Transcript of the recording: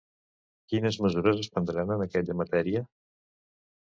Quines mesures es prendran en aquella matèria?